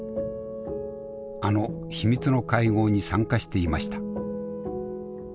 あの秘密の会合に参加していました。